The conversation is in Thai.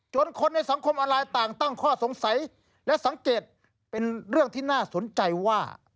คนในสังคมออนไลน์ต่างตั้งข้อสงสัยและสังเกตเป็นเรื่องที่น่าสนใจว่า